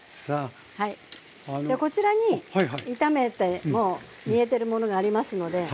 こちらに炒めてもう煮えてるものがありますので。